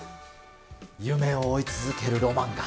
夢を追い続けるロマンが。